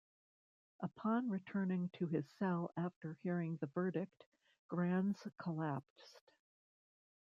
Upon returning to his cell after hearing the verdict, Grans collapsed.